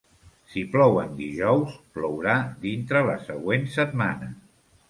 Si plou en dijous, plourà dintre la següent setmana.